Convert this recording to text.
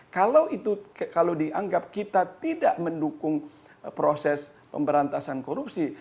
kalau dianggap kita tidak mendukung proses pemberantasan korupsi